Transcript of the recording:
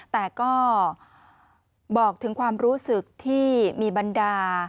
แต่ก็บอกถึงความรู้สึกที่มีบรรดา